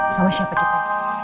sama siapa kita